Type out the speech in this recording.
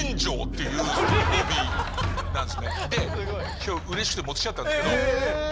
今日うれしくて持ってきちゃったんですけど。